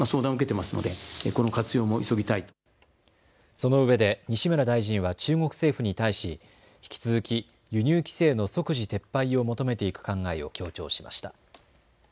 そのうえで西村大臣は中国政府に対し引き続き輸入規制の即時撤廃を求めていく考えを強調しました。